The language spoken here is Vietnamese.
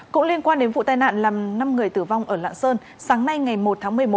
cũng liên quan đến vụ tai nạn làm năm người tử vong ở lạng sơn sáng nay ngày một tháng một mươi một